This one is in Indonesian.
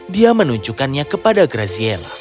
dia menunjukkannya kepada graziella